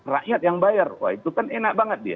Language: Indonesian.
rakyat yang bayar wah itu kan enak banget dia